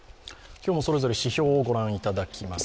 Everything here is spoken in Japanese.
今日もそれぞれ指標を御覧いただきます。